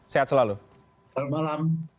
sehat selalu selamat malam